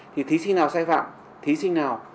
thì thí sinh nào sai phạm thí sinh nào